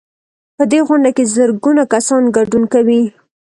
په دې غونډه کې زرګونه کسان ګډون کوي.